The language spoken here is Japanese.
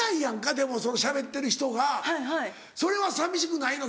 でもそのしゃべってる人がそれは寂しくないの？